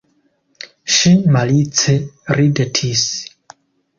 Ŝi malice ridetis.